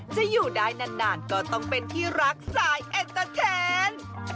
จะอยู่ได้นานก็ต้องเป็นที่รักสายเอ็นเตอร์แคน